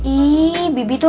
ihh bibi tuh